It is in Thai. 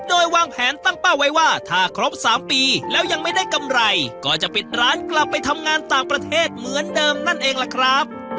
โดยวางแผนตั้งเป้าไว้ว่าถ้าครบ๓ปีแล้วยังไม่ได้กำไรก็จะปิดร้านกลับไปทำงานต่างประเทศเหมือนเดิมนั่นเองล่ะครับ